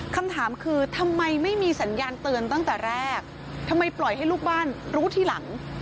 คำถามคือทำไมไม่มีสัญญาณเตือนตั้งแต่แรกทำไมปล่อยให้ลูกบ้านรู้ทีหลัง